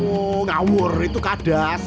woh ngawur itu kadas